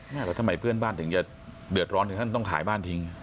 แล้วทำไมเพื่อนบ้านถึงจะเดือดร้อนถึงท่านต้องขายบ้านทิ้ง